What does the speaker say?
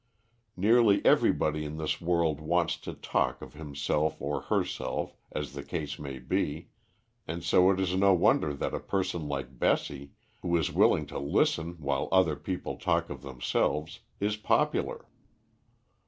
Nearly everybody in this world wants to talk of himself or herself, as the case may be, and so it is no wonder that a person like Bessie, who is willing to listen while other people talk of themselves, is popular.